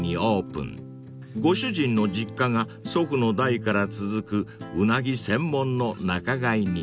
［ご主人の実家が祖父の代から続くウナギ専門の仲買人］